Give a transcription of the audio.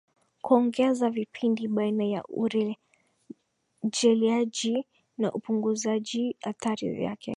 kuongeza vipindi baina ya urejeleaji na upunguzaji athari yake